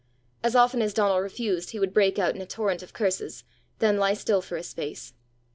As often as Donal refused he would break out in a torrent of curses, then lie still for a space.